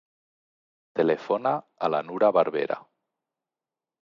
Telefona a la Nura Barbera.